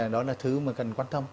đó là thứ mà cần quan tâm